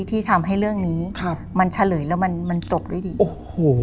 ที่ทำให้เรื่องนี้ครับมันเฉลยแล้วมันมันจบด้วยดีโอ้โห